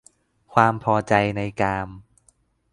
ความพอใจในกาม